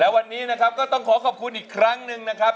วันนี้นะครับก็ต้องขอขอบคุณอีกครั้งหนึ่งนะครับ